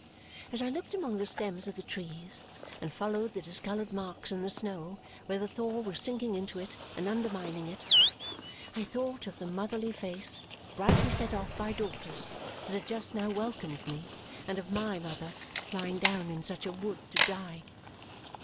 As I looked among the stems of the trees and followed the discoloured marks in the snow where the thaw was sinking into it and undermining it, I thought of the motherly face brightly set off by daughters that had just now welcomed me and of MY mother lying down in such a wood to die.